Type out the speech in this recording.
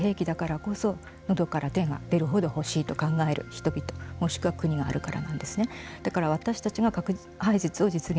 というのは、まさにそういう恐ろしい兵器だからこそのどから手が出るほど欲しいと考える人々もしくは国があるからなんですね。